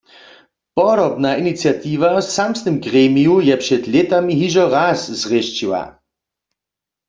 Podobna iniciatiwa w samsnym gremiju je před lětami hižo raz zwrěšćiła.